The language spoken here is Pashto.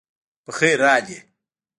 پخير راغلې